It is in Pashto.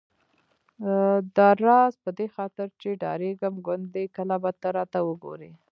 داراز په دې خاطر چې ډارېدم ګوندې کله به ته راته وګورې.